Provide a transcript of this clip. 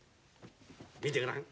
見てごらん。